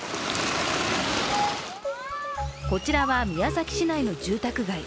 こちらは宮崎市内の住宅街。